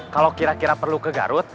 kalau kira kira perlu ke garut